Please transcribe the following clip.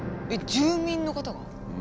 住民の方が？